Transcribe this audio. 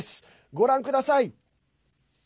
ご覧ください。